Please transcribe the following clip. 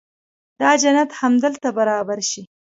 دا جنت همدلته برابر شي.